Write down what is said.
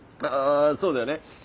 あそうだよね。